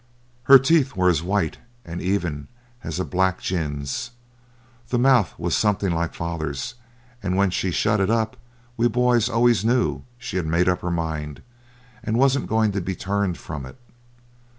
Her teeth were as white and even as a black gin's. The mouth was something like father's, and when she shut it up we boys always knew she'd made up her mind, and wasn't going to be turned from it.